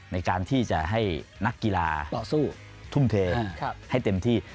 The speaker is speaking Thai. ในการที่จะให้นักกีฬาต่อสู้ทุ่มเทให้เต็มที่